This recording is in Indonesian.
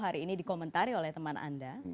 jadi inan merupakan sim dial tall